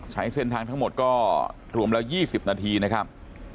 ใช้เส้นทางทั้งหมดก็รวมแล้ว๒๐นาทีนะครับ